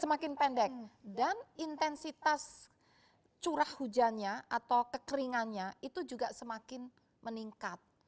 semakin pendek dan intensitas curah hujannya atau kekeringannya itu juga semakin meningkat